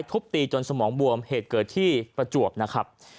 ทุบตีจนสมองบวมเหตุเกิดที่ประจวบนะครับ